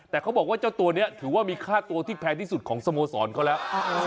แต่เขาบอกว่าเจ้าตัวนี้ถือว่ามีค่าตัวที่แพงที่สุดของสโมสรเขาแล้ว